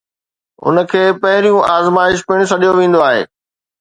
ان کي پھريون آزمائش پڻ سڏيو ويندو آھي